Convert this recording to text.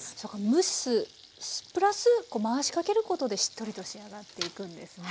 蒸すプラス回しかけることでしっとりと仕上がっていくんですね。